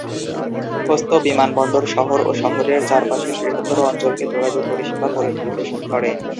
খোস্ত বিমানবন্দর শহর ও শহরের চারপাশের বৃহত্তর অঞ্চলকে যোগাযোগ পরিসেবা পরিবেশন করে।